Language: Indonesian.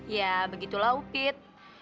ya begitulah upit